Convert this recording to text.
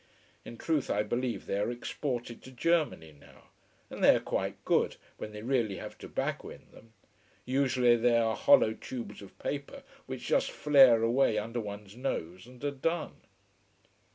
In truth I believe they are exported to Germany now. And they are quite good, when they really have tobacco in them. Usually they are hollow tubes of paper which just flare away under one's nose and are done.